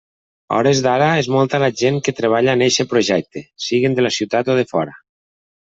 A hores d'ara és molta la gent que treballa en eixe projecte, siguen de la ciutat o de fora.